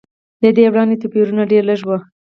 له دې وړاندې توپیرونه ډېر لږ و.